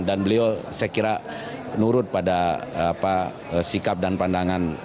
dan beliau saya kira nurut pada sikap dan pandangan